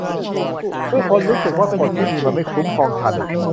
เมื่อคนรู้สึกว่ากฎที่มีมันไม่คุ้มครองฉัน